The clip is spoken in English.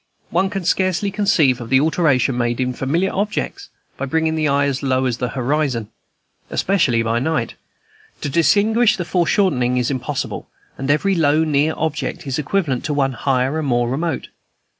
One can scarcely conceive of the alteration made in familiar objects by bringing the eye as low as the horizon, especially by night; to distinguish foreshortening is impossible, and every low near object is equivalent to one higher and more remote.